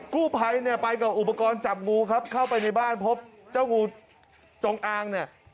กู้ภัยเนี่ยไปกับอุปกรณ์จับงูครับเข้าไปในบ้านพบเจ้างูจงอางเนี่ย